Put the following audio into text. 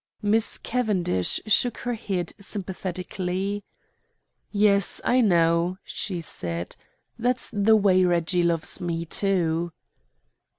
Miss Cavendish shook her head sympathetically. "Yes, I know," she said; "that's the way Reggie loves me, too."